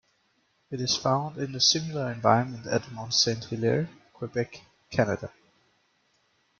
It is found in a similar environment at Mont Saint-Hilaire, Quebec, Canada.